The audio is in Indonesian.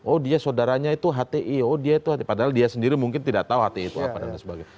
oh dia saudaranya itu hti padahal dia sendiri mungkin tidak tahu hti itu apa dan sebagainya